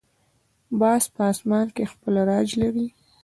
باز په آسمان کې خپل راج لري